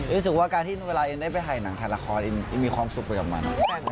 รู้สึกว่าการที่เวลาอินได้ไปถ่ายหนังถ่ายละครมีความสุขไปกับมัน